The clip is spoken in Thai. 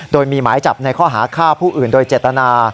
โดยมีหมายจับในข้อหาฆ่าผู้อื่นโดยเจตนา